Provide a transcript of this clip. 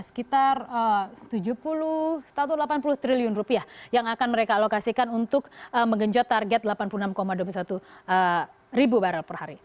sekitar tujuh puluh delapan puluh triliun rupiah yang akan mereka alokasikan untuk menggenjot target delapan puluh enam dua puluh satu ribu barrel per hari